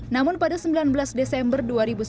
namun pada sembilan belas desember dua ribu sembilan belas